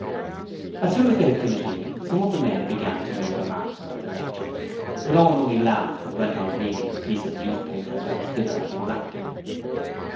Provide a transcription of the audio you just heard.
As soon as they had finished eating, some of the men began to make remarks about the lecture, but Owen only laughed and went on reading the piece of newspaper that his dinner had been wrapped in.